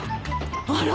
あら？